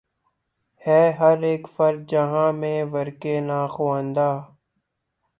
ہے ہر اک فرد جہاں میں ورقِ ناخواندہ